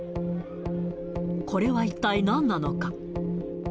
これは一体なんなのか。